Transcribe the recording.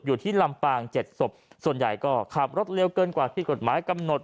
อยู่ที่ลำปาง๗ศพส่วนใหญ่ก็ขับรถเร็วเกินกว่าที่กฎหมายกำหนด